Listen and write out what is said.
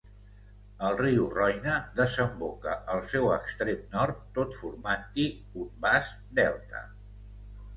El riu Roine desemboca al seu extrem nord tot formant-hi un vast delta.